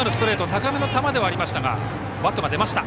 高めの球ではありましたがバットが出ました。